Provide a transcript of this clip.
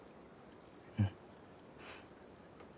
うん。